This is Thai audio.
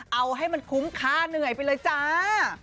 เอาให้มันคุ้มค่าเหนื่อยไปเลยจ้า